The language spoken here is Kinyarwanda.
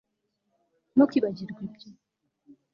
ntukibagirwe ibyo